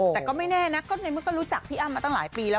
แต่ก็ไม่แน่นะก็ในเมื่อก็รู้จักพี่อ้ำมาตั้งหลายปีแล้ว